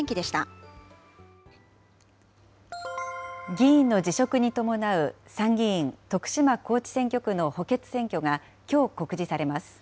議員の辞職に伴う、参議院徳島高知選挙区の補欠選挙がきょう告示されます。